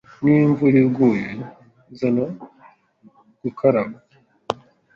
Niba imvura iguye, zana gukaraba.